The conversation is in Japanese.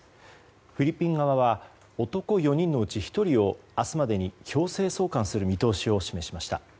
フィリピン側は男４人のうち１人を明日までに強制送還する見通しを示しました。